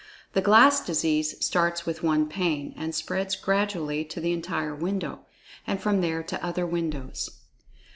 The "glass disease" starts with one pane, and spreads gradually to the entire window, and from there to other windows.